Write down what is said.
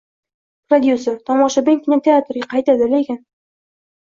Prodyuser: Tomoshabin kinoteatrga qaytadi, lekin